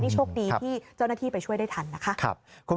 โชคดีที่เจ้าหน้าที่ไปช่วยได้ทันนะคะ